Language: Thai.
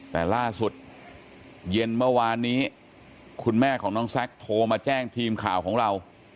แต่ล่าสุดเย็นเมื่อวานนี้คุณแม่ของน้องแซคโทรมาแจ้งทีมข่าวของเรา